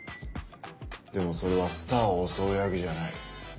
でもそれはスターを襲う役じゃない。